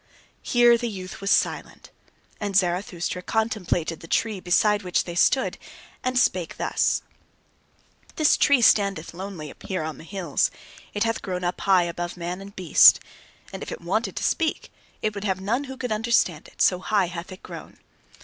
Here the youth was silent. And Zarathustra contemplated the tree beside which they stood, and spake thus: "This tree standeth lonely here on the hills; it hath grown up high above man and beast. And if it wanted to speak, it would have none who could understand it: so high hath it grown.